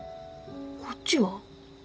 こっちは？